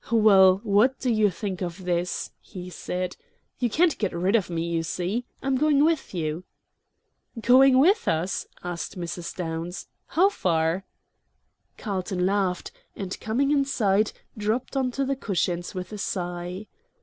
"Well, what do you think of this?" he said. "You can't get rid of me, you see. I'm going with you." "Going with us?" asked Mrs. Downs. "How far?" Carlton laughed, and, coming inside, dropped onto the cushions with a sigh.